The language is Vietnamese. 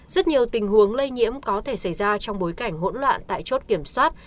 rất nhiều tình huống lây nhiễm có thể xảy ra trong bối cảnh hỗn loạn tại chốt kiểm soát